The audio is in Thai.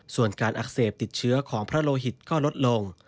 ส่วนการอักเสบติดเชื้อของพระโลหิตก็ลดลง